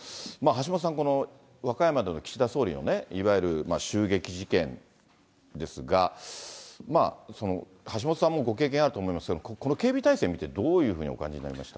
橋下さん、和歌山での岸田総理大臣のいわゆる襲撃事件ですが、まあ、橋下さんもご経験あると思いますけど、この警備体制見て、どういうふうにお感じになりました？